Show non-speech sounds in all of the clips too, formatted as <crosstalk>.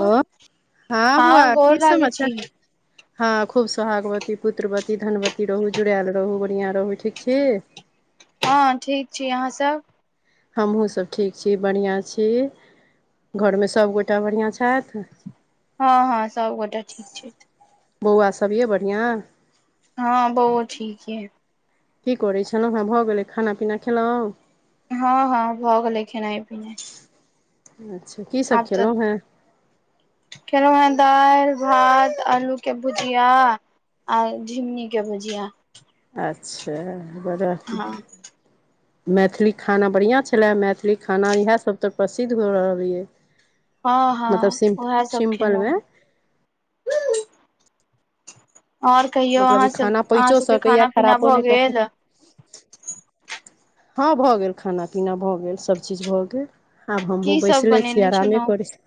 हलो! हं हँ बौआ गोर की लागै छी समाचार। हँ, खूब सोहागवती, पुत्रवती, धनवती रहू, जुड़ाएल रहू, बढ़िआं रहू, ठीक छी? हँ ठीक छी, अहाँ सब। हमहूँ सभ ठीक छी, बढ़िआं छी। घरमे सभगोटा बढ़िआं छथि। हँ हँ सब गोटा ठीक छथि। बौआ सब ऐ बढ़िआं। हँ बौओ ठीक यै। की करै छलहु हेँ भ गेलै खाना पीना खेलौ। हं हं भ गेलै खेनाइ पिनाइ। अच्छा की सभ खेलहुँ हें। खेलहु हें दालि भात आलू के भुजिया आए झिमनी के भुजिया। अच्छा बरा हँ मैथिली खाना बढ़िआं छलय, मैथिली खाना इएह सभ त प्रसिद्ध हो रहलऐ। हँ मतलब हँ सिम्प उएह सब खेलौं सिम्पलमे हें और कहियौ मतलब अहाँ ई सब खाना अहाँ पचो सबके सकैए खाना पीना खराबो भए नहि कऽ सक गेल। हँ भ गेल, खाना पीना भ गेल, सभ चीज भ गेल। आब हमहुं की सब बैसले छी बनेने आरामे छलौं करै छी।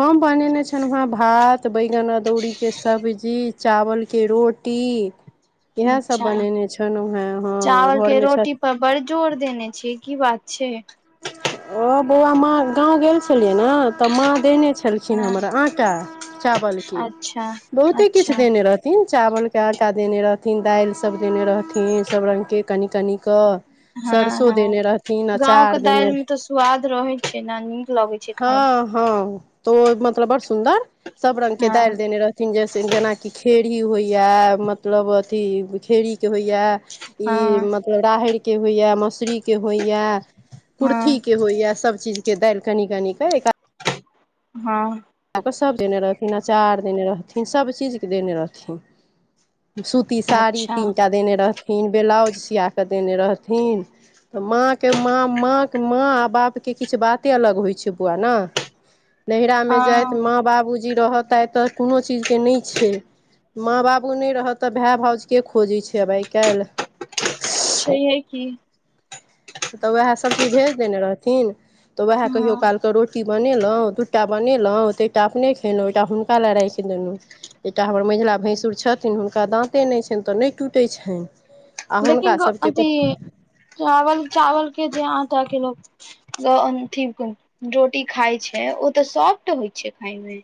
हम बनेने छलहुँ हेँ भात बैगन अदौड़ी। के सब्जी चावलके रोटी इएह सब अच्छा बनेने छलहुँ हेँ हँ चावल के घरमे छ रोटी पर बड़ जोर देने छिअइ की बात छैय। ओ बौआ माँ गाँंव गेल छलियै ने त माँ देने छैय। लेलखिन हँ हमर आंटा चावल के, अच्छा बहुते किछ अच्छा देने रहथि। थिन चावलके आटा देने रहथिन दालि सब देने रहथिन सब रङ्गके कनि कनि क। सरसो देने रहथिन अचार देने दाइल रह में तऽ स्वाद रहै छैय न नीक लगे छैय खाय मे। हँ हँ तो ओ मतलब बड़ सुंदर सब रंग के हँ दाइल देने रह न जैसे जेनाकि खेरही होइया मतलब अथी खेरहीके होइया। ई हँ मतलब राहेड़ के होइया, मौसरीके होइए। कुर्थी हँ के होइया, सब चीज के दाइल कनी कनी के एका हँ। कर सभ देने रहथिन अचार देने रहथिन सभ चीजके देने रहथिन सु ती साड़ी अच्छा तीन टा देने रहथिन, बेलाउज सिआक देने रहथिन। त माँके माँ माँके माँ आ बापके किछु बाते अलग होइ छैय बौआ न। नहिरामे जाइत हँ माँ बाबूजी रहत त आइ त कोनो चीजके नहि छैय। माँ बाबू नै रहत त भाइ भाउजके खोजै छैय आब आइ काइल। छैहे की। त उएह सभ चीज भेज देने रहथिन त उहे कहियो हँ काल रोटी बनेलहुँ, दू टा बनेलहुँ ततऽ एकटा अपने खयेलहुँ एकटा हुनका लेलए राखि देलहुँ। एकटा हमर महिला भैंसुर छथिन हुनका दाँते नै छैन तऽ नै टूटैत छैन। लेकिन अथी चावल चावल के जे आटा के लोको जो अंतिम रोटी खाय छैय ओ तऽ सॉफ्ट होइ छैय खाय मे।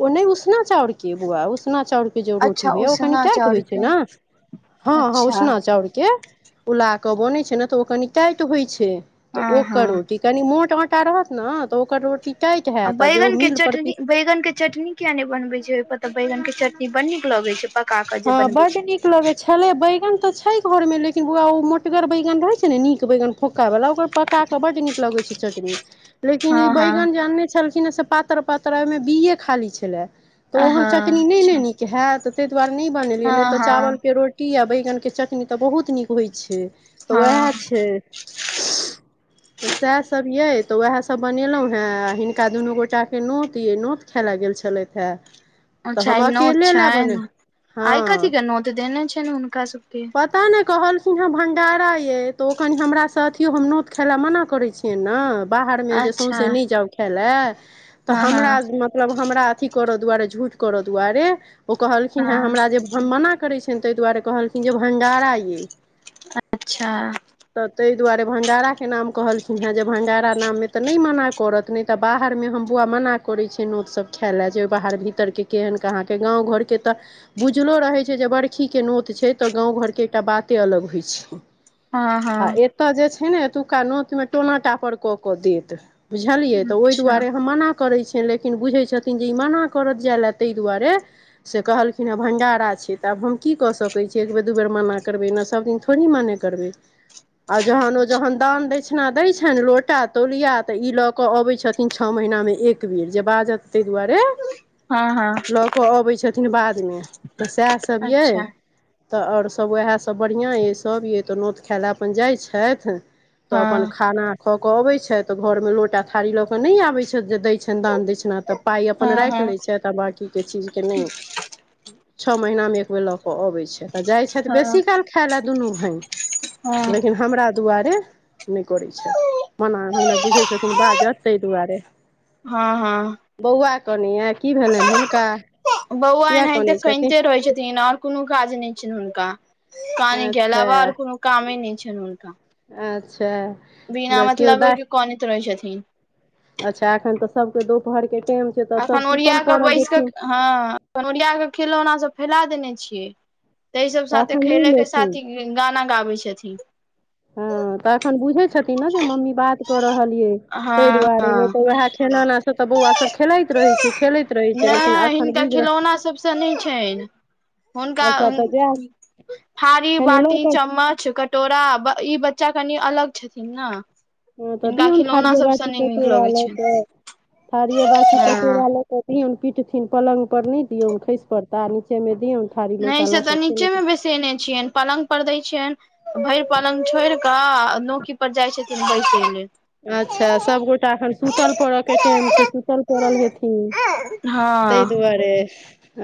ओ नै उसना चाउर के बुआ उसना चाउर के जे रोटी अच्छा होइया ओ कनि उसना टाइट चाउर होइ छैय के न, हँ हँ अच्छा उसना चाउरके। उला के बन छैय ने तऽ ओ कनी टाइट होय छैय त हँ ओकर हँ रोटी कनि मोट आँटा रहत न तऽ ओकर रोटी टाइट अ हैत आ जे ओ बैगन के मिल पर चटनी, पीस बैगन के चटनी किया नै बनबे छैय, ओएपर तऽ बैंगन के चटनी बड नीक लगे छैय पका के हँ जे बनबे बड्ड नीक छैय। लगै छलै, बैगन तऽ छै घरमे, लेकिन बौआ ओ मोटगर बैगन रहै छै ने, नीक बैगन फोक्कावला ओकर पका के बड नीक लगे छै चटनी, लेकिन ई हँ हँ बैगन जे अनने छलखिन से प पातर- पातर ओहिमे बी ए खाली छलै। तऽ ओहन हँ चटनी नहि ने अच्छा नीक हैत, तऽ ताहि दुआरे नहि बनेलियै, नहि हँ तऽ चावल हँ के रोटी। टी, आ बैगन के चटनी,, तऽ बहुत नीक होइ छै, तऽ वएह हँ छै। तऽ सएह सभ यइ, तऽ उएह सभ बनेलहुँ हेँ, आ हिनका दुनू गोटाके नोत यइ, नोत खैल गेल छलथि हेँ। अच्छा आइ नोत छैन, आइ कथी हँ के नोत देने छै ने हुनका सबके? तैँ ने, कहलखिन हँ भंडारा अइ, तऽ ओ कनि हमरास अथियो, हम नोत खाय लए मना करै छियै ने। बाहर मे अच्छा सउसे नइ जाउ खाइ ले, तऽ हँ हमरा हँ मत मतलब हमरा अथी करऽ दुआरे, झूठ करऽ दुआरे, ओ कहलखिन हे हँ हमरा जे हम मना करैत छियअनि, ताहि दुआरे कहलखिन जे भंडारा अइ। अच्छा! तऽ ताहि दुआरे भंडारा के नाम कहलखिन हे, जे भंडारा नाम मे ते नहि मना करत नहि तऽ, बाहरमे हम बौआ मना करैत छी। फेन नोततसभ खाए लए, जा बाहर -भीरके केहन कहाँके, गाँव घरके तऽ। बुझलो रहैत छै जे बरखीके नोत छै, तऽ गाँव घरके एकटा बाते अलग होइत छै। हँ आ हँ एतय जे छै ने, एतुका नोतमे टोना टा पर कऽ कऽ देत। बुझलियै, तऽ ओहि अच्छा दुआरे हम मना करे छियै, लेक लेकिन बुझै छथिन जे, ई मना करत जाय लए ताहि दुआरे। से कहलखिन हेँ भंडारा छै, त आब हम की कऽ सकैत छी, एक बेर दू बेर मना करबै ने, सभदिनथड़ा थोड़ी मान करबै। आ जहन ओ जहन दान दक्षिणा दय छनि, लोटा तौलिया तऽ ई लऽ के अबै छथिन। तीन, छओ महिनामे एकबेर जे, बाजत ताहि दुआरे। हँ, हँ। लकऽ अबै छथिन बादमे, तऽ सएह सब यै, अच्छा तऽ आओर सभ वएह तऽ बढ़ियाँ यइ, सब ये तऽ नोत खाय लऽ अपन जाइ छथि, तऽ अपन हँ खाना खऽ कऽ अबैत छथि, तऽ घरमे लोटा आ थारी लऽ कऽ नहि आबैत छथि, जे दै छनि दान दैछिना। तऽ पाइ अपन हँ राखि हँ लैत छथि, तआ बाँकीके चीजके नहि। छओ महीनामे एक बेर लऽ कऽ अबैत छथि, आ जाइ छथि हँ बेसी काल खाय लए दुनू भाइन। लेकिन हमरा दुआरे। नहि करैत छैत, मना हमरा बुझैत छथिन बाजत, ताहि दुआरे। हँ, हँ। बौआ कनियए, की भेलनि हुनका? बौआ किया एनाहिते कनै छथिन कनिते रहै छथिन, आओर कोनो काज नहि छ हुनका। कान अच्छा अलावा, आर कोनो कामे नहि छनि हुनका। अच्छा! बिना देखियौ मतलब दा के कोनैत रहै छथिन। अच्छा! एखन तऽ सभके दुपहरके टाइम छै, तऽ सभ अखन सुतन ओरिया कऽ परल बैस कऽ हेथिन। हँ, ओरिया के खेलौना सब फैला देने छियै। तऽ सब साथे एखन नहि खेले के लेथिन साथी गाना गाबै छथिन। हँ। तऽखन बुझे छथिन ने जे, मम्मी बात कऽ रहलिये, ताहि हँ दुआरे ने हँ तऽ वएह ख तऽ बौआ सब खेलाइत रहै छै, खेलैत रहै छै, लेकिन नहि अखन हिनका बुझ खिलौना सबसँ नहि छनि हुनका थारी कनि -बाटी लऽ कऽ चम्मच कट टोरा ब् ई बच्चा कनि अलग छथिन ने। हँ तऽ हिनका दियौन ने खिलौना थारिए सबसँ बाटी नहि नीक कटोरा लगैत लऽ छनि कऽ। थारिए बाटी कटोरा हँ लऽ कऽ दिऔन पिटथिन। पलङ्ग पर नहि दिऔन, खसि पड़ता आ नीचेमे दिऔन थारी लोटा लऽ कऽ खेलैत सुतेने छियनि। पलङ्गपर दै छियनि तऽ भरि पलंङ्ग छोड़ि कऽ आ नोकीपर जाइ छथिन बैसय लेल। अच्छा, सभगोटा एखन सुतल पड़यके टाइम छै, सुतल पड़ल हेथिन। ताहि हँ दुआरे।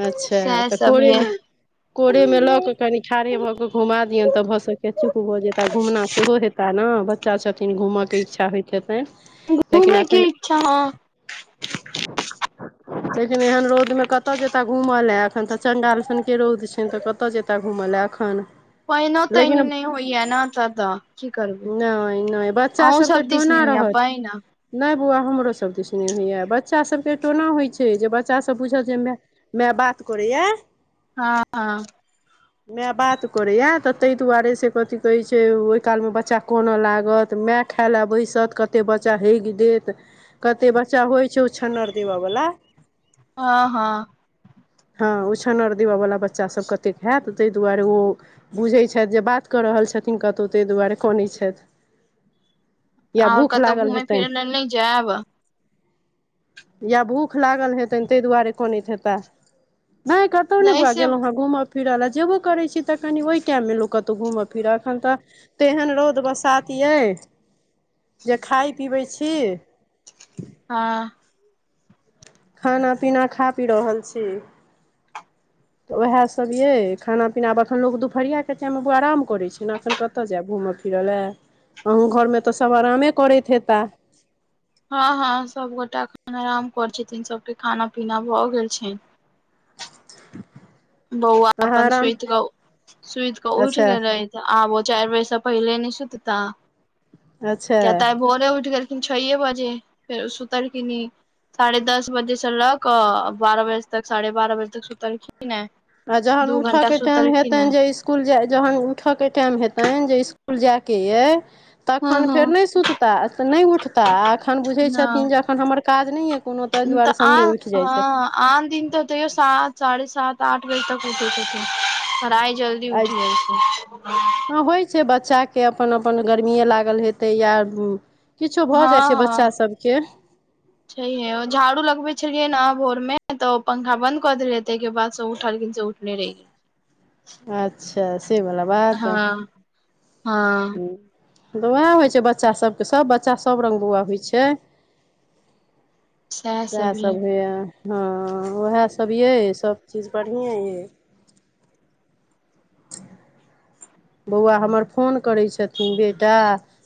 अच्छा, सएह तऽ सब ये कोरेमे कोरेमे लऽ कऽ कनि ठाढ़े भऽ कऽ घुमा दिऔन तऽ भऽ सकैए चुप भऽ जेताह। घूमना सेहो हेता ने। बच्चा छथिन घूमयके इच्छा होइत हेतनि, लेकिन घूमे के अखनि इच्छा हँ लेकिन एहन रौदमे कतऽ जेता घूमय लेल। एखन ते चण्डाल सनके रौद छनि, तऽ कतय जेत- कतऽ घुमय लए एखन। पाइनो तानि लेकिन नहि होइए ने, तऽ एतय, की करबै। नहि नहि बच्चा सबके अहूँसभ दिस नहि टोना होइए रहत पानि? नहि बौआ, हमरो सभ दिस नहि होइए। बच्चा सभके टोना होइत छै, जे बच्चासभ बुझत जे माए माए बात करैए हँ। <inaudible> माए बात करैए, तऽ ताहि दुआरे से कथी कहैत छै, ओहि कालमे बच्चा कानय लागत। माए खाए लए बैसत, कतेक बच्चा हगि देत। कतेक बच्चा होइत छै उछन्नर देबयवला। हँ हँ। हँ, उछन्नर देबयवला बच्चा सभ कतेक हएत। ताहि दुआरे ओ बुझैत छथि, जे बात कऽ रहल छथिन कतहु, ताहि दुआरे कनैत छथि। या आओर भूख कतहु लागल घूमय-फिरय हेतनि लेल नहि जायब? या भूख लागल हेतनि, ताहि दुआरे कनैत हेताह। नहि क- कतहु नहि बौआ गेलहुँ हेँ घूमय-फिरय लए। जयबो करैत छी, तऽ कनि ओहि टाइममे लोक कतहु घूमय-फिरय। एखन तऽ तेहन रौद-बसात अइ जे खाइत-पीबैत छी हँ खाना-पीना खा-पी रहल छी। तऽ उएहसभ अइ। खाना-पीना आब एखन लोक दुपहरियाके टाइममे बौआ आराम करैत छै ने। एखन कत कतय जायब घूमय-फिरय लए। अहूँ घरमे तऽ सभ आरामे करैत हेताह? हँ हँ, सभगोटा एखन आराम करैत छथिन। सबके खाना-पीना भऽ गेल छनि। <inaudible> बौआ अहाँ अपन आराम सूति कऽ सूति कऽ उठि अच्छा गेलै। तऽ आब ओ चारि बजेसँ पहिले नहि सुतता अच्छा किएक तऽ आइ भोरे उठि गेल छओए बजे। फेर सूतल किनी साढ़े दस बजेसं लऽ कऽ बारह बजे तक साढ़े बारह बजे तक सुतलखिन हे। आ जहन दू घंटा उठयके टाइम सुतलखिन हे हेतनि जे इस्- इसकुल जाइ, जखन उठयके टाइम हेतनि जे इसकुल जायके अइ हँ तखन फेर हँ नहि सुतताह अ तऽ नहि उठताह आ एखन बुझैत छथिन जे नहि एखन हमर काज नहि यए कोनो, ताहि तऽ दुआरे आ सङ्गे उठि जाइत छथि। हँ आन दिन तऽ तैओ सात-साढ़े सात, आठ बजे तक उठैत छथिन, पर आइ जल्दी आ उठि गेलखिन। हँ होइत छै बच्चाके अपन-अपन गर्मिए लागल हेतै या किछो भऽ जै छै बच्चा सबके छैेहे, ओ झाड़ू लगबै छलियै न भोर में तऽ ओ पंखा बन्द क देन हेतै के बाद से उठलियै से उठ ने रै अच्छा, से बला बात। हँ हँ तऽ वे होइ छै बच्चा सबके सब बच्चा सब रङ्ग बौआ होइ छै। सएह वेह सब सभ ये होइए हँ, वेहे सब यै सभचीज बढ़िएँ यै। बौआ हमर फोन करै छथिन बेटा,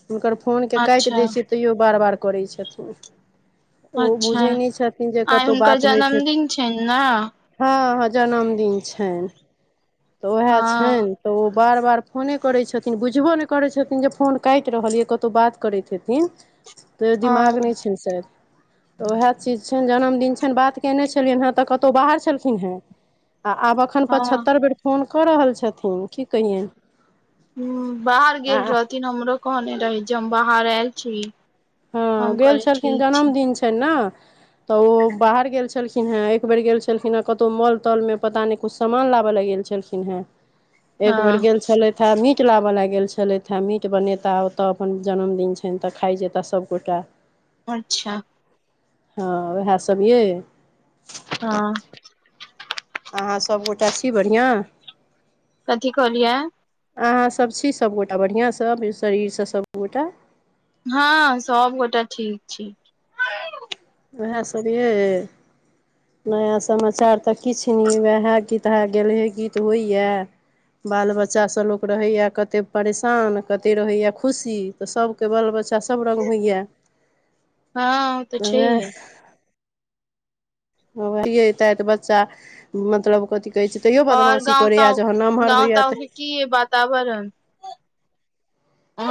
हुनकर फोन के काटि अच्छा दै छियै तैयो बार- बार करै छथिन। ओ अच्छा बुझै नहि छथिन जे आइ कतौ हुनकर बात- होइत हेत जन्मदिन छनि ने हँ- हँ जनम दिन छैन, तऽ वेहे हँ छैन तऽ ओ बार बार फोने करैत छथिन, बुझबो नहि करैत छथिन जे फोन कैट रहल य, कतौ बात करैत हेथिन। से हँ दिमाग नै छैन शयद। तऽ वेहे चीज छैन जनमदिन छैन बात कयने छलियनि हेँ तऽ कतौ बाहर छलखिन हेँ। आ आब एखन हँ ह पचहत्तर बेर फोन कऽ रहल छथिन की कहियैन? हूं, बाहर गेल रहथिन हमरो कहने रहै जे हम बाहर एल छी। हँ, हम गेल कहलियै छलखिन ठीक छै जन्मदिन छैन न? तऽ ओ बाहर गेल छलखिनहें एक बेर गेल छलखिनहें कतौ माॅल-ताॅल में पता नै कुछ सामान लाब ले गेल छलखिनहें एक बेर हँ गेल छलै मीट लाबऽ ले गेल छलैथे, मीट बनेता ओतऽ अपन जनमदिन छैन तऽ खाइ जेता सबगोटा। अच्छा। हँ, वेहे सब यै। हँ। अहाँ सब गोटा छी बढ़िआँ? कथी कहलिये? अहाँ सब छी सब गोटा बढ़िआँ स शरीर स सब गोटा? हँ, सब गोटे ठीक छी। वेहे सब ऐ नया समाचार तऽ किछु वेहे गीतहा गेलहे गीत होइये। बाल बच्चा स लोक रहैये कते परेशान, कते रहैये खुशी। तऽ सबके बाल बच्चा सब रङ्ग होइये। हँ। तऽ नेह छैहे नै एतऽ बच्चा मतलब कथि कहै छै? तैयो बदमाशी करैये जहन नमहर होइये त कीये बात तावरण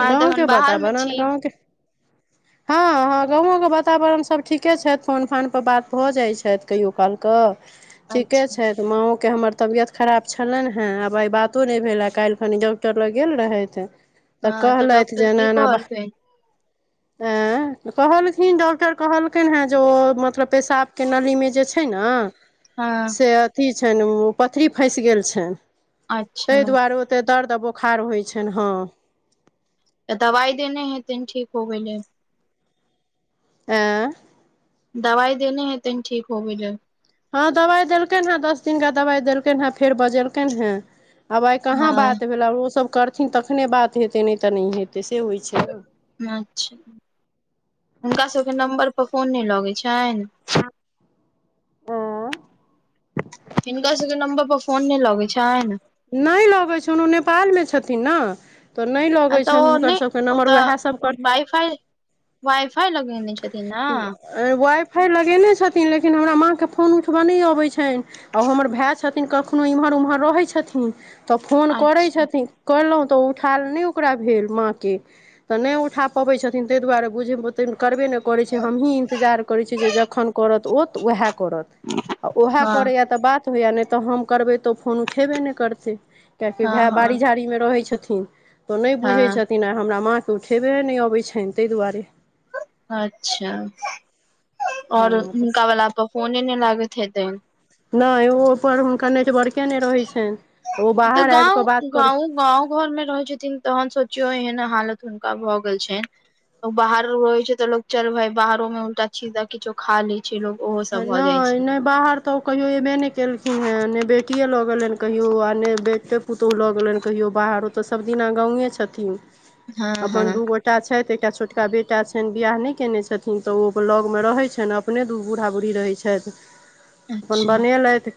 गाँव के एखन बाहर मे बातावरन छी गाँव के हँ- हँ गामो के बाताबरण सब ठीके छैथ फोन- फान पर बात भऽ जाइ छैथ कहियो- काल कऽ ठीके अच्छा छै। माँओके हमर तबियत खराब छलैन्हें, आब आइ बातो नै भेले कैल्हखन डॉक्टर लग गेल रहैथ। तऽ हँ कहलैथ जे डॉक्टर की एना-एना कहलकै बा-ऐं कहलखिन डॉक्टर कहलखिन हेँ जे ओ मतलब ओ पेशाबके नली में जे छै ने हँ से अथी छैन, उ पथरी फैंस गेल छैन तै अच्छा दुआरे ओ तेतर दर्द बोखार होइत छैन हँ। तऽ दबाइ देने हेतेन ठीक होबै ले। आँ। दवाइ देने हैतेन ठीक होबे ले। हँ दवाइ देलखनि हेँ दस दिनका दवाइ देलखनि हेँ फेर बजेलखइन हेँ। आब आइ कहाँ हँ बात भेल आ ओसभ करथिन तखने बात हेतै नहि तऽ नहि हेतै से होइत छैय।। अच्छा हुनका सबके नम्बर पर फोन नै लगैत छैन। ने हिनका सबके नम्बर पर फोन नै लगे छैन। नै लगे छोन, उ नेपालमे छथिन न। तो नहि आ लगे छनि हुनकर सबके नम्बर, उएह सभ कर फाई वाइफाई लगेने छथि न। वाइ फाइ लगेने छथिन लेकिन हमरा माँके फोन उठबऽ ने अबैत छैन। आ उ हमर भाय छथिन कखनो एम्हर ओम्हर रहै छथिन तऽ फोन करैत अच्छा छथिन। करलहुँ तऽ ओ उठायल नहि ओकरा भेल माँके। तऽ नहि उठा पबैत छथिन तैय दुआरे बुझै उते करबे नै करै छैय हमहीँ इन्तजार करैत छी जे जखन करत ओत ओएह करत। आ उएह हँ करैए तऽ बात होइए नै तऽ हम करबै तऽ फोन उठयबे नै करतै। किआकि हँ भाय बाड़ी हँ झाड़ीमे रहै छथिन तऽ ओ नै बुझै हँ छथिन आ हमरा माँ तऽ उठेबे नहि अबैत छनि ताहि दुआरे। अच्छा हँ और तऽ हुनका वला पर फोने नहि लागैत हेतैन। नै ओ हिपर हुनका नेटबड़के नहि रहैत छैन। तऽ गाँव गाँव गाँव घर मे रहै छथिन तहन सोचियौ एहन हालत हुनका भऽ गेल छनि। बाहर रहै छैय तऽ लो चल भाय बाहरो में उलटा सी किछो खा ली। छी लोग ओय। नै नै बाहर तऽ कहियो एबे नहि केलखिन हे नहि बेच। कटे लऽ गेलनि कहिय आ नहि बेटे पुतौहु लऽ गेलनि कहियो बाहरो तऽ सभदिना गाे छथिन। हँ अपन हँ दू गट एकटा छथि एकटा छोटका बेटा छैन बियाह नै केने छथिन तऽ ओ लगमे रहै छैन अपने दू बूढ़ा बूढ़ी रहै छैथ, अपन अच्छा बने लेथ।